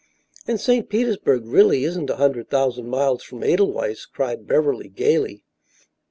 "And St. Petersburg really isn't a hundred thousand miles from Edelweiss," cried Beverly, gaily.